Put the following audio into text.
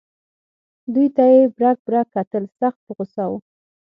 دوی ته یې برګ برګ کتل سخت په غوسه و.